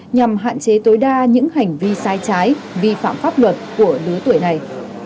nhằm hạn chế tối đa những hành vi sai trái vi phạm pháp luật của lứa tuổi này